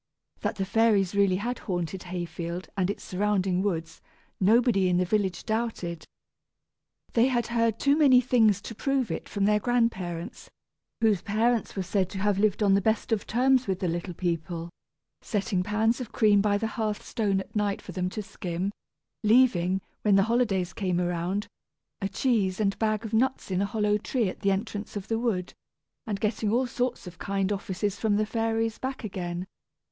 That the fairies really had haunted Hayfield and its surrounding woods, nobody in the village doubted. They had heard too many things to prove it from their grandparents, whose parents were said to have lived on the best of terms with the little people setting pans of cream by the hearth stone at night for them to skim leaving, when the holidays came around, a cheese and bag of nuts in a hollow tree at the entrance of the wood and getting all sorts of kind offices from the fairies back again.